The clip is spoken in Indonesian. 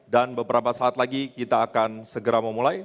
dan beberapa saat lagi kita akan segera memulai